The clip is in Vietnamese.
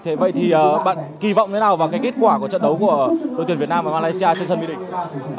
thế vậy thì bạn kỳ vọng thế nào vào cái kết quả của trận đấu của đội tuyển việt nam và malaysia trên sân mỹ đình